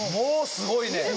すごいね。